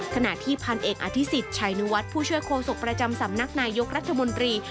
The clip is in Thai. ขณะที่พันเอกอธิษฎชัยนุวัฒน์ผู้ช่วยโคศกประจำสำนักนายยกรัฐมนตรี